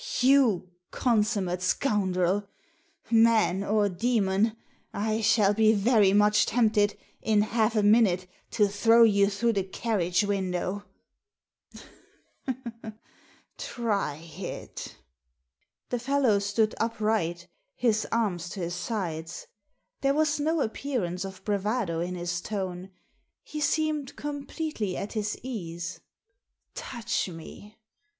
"You consummate scoundrel! Man or demon, I shall be very much tempted, in half a minute, to throw you through the carriage window." Digitized by VjOOQIC A PACK OF CARDS 8i "Try it" The fellow stood upright, his arms to his sides. There was no appearance of bravado in his tone. He seemed completely at his ease. " Touch me